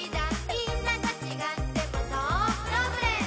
「みんなとちがってもノープロブレム」